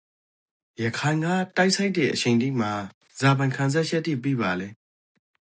ရခိုင်ကတိတ်ဆိတ်တေအချိန်တိမှာဇာပိုင်ခံစားချက်တိ ပီးပါလဲ?